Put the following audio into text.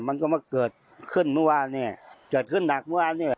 มันก็มาเกิดขึ้นเมื่อวานเนี่ยเกิดขึ้นหนักเมื่อวานเนี่ย